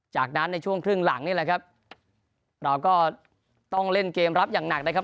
จากนั้นในช่วงครึ่งหลังนี่แหละครับเราก็ต้องเล่นเกมรับอย่างหนักนะครับ